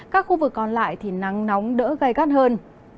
các khu vực còn lại thì nắng nóng đỡ gai gắt hơn